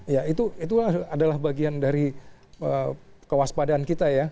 ya itu adalah bagian dari kewaspadaan kita ya